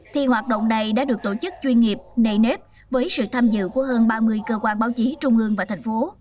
thì hoạt động này đã được tổ chức chuyên nghiệp nề nếp với sự tham dự của hơn ba mươi cơ quan báo chí trung ương và thành phố